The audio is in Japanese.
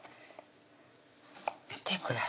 見てください